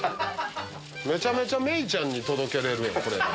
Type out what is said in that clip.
めちゃめちゃメイちゃんに届けれるやんこれ。